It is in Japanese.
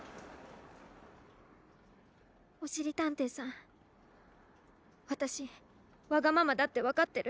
おしりたんていさんわたしわがままだってわかってる。